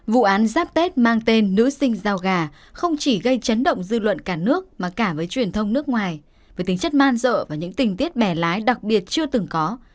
vụ án giáp tết mang tên nữ sinh giao gà không chỉ gây chấn động dư luận cả nước mà cả với truyền thông nước ngoài với tính chất man dợ và những tình tiết bẻ lái đặc biệt chưa từng có